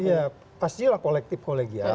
iya pasti lah kolektif kolegial